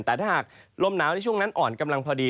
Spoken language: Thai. แต่ถ้าหากลมหนาวในช่วงนั้นอ่อนกำลังพอดี